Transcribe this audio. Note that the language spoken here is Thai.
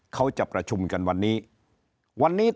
เขาจะประชุมกันวันนี้